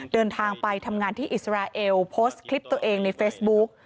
เดินทางไปทำงานที่อิสราเอลโพสต์คลิปตัวเองในเฟซบุ๊ก